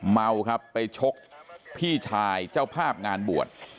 เมาครับไปชกพี่ชายเจ้าภาพงานบวช